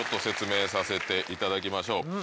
説明させていただきましょう。